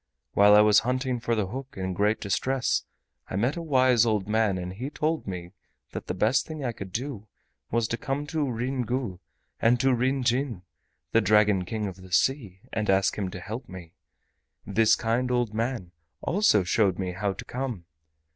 While I was hunting for the hook, in great distress, I met a wise old man, and he told me that the best thing I could do was to come to Ryn Gu, and to Ryn Jin, the Dragon King of the Sea, and ask him to help me. This kind old man also showed me how to come.